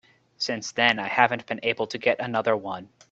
Since then I haven't been able to get another one.